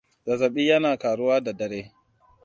zazzabi yana ƙaruwa da dare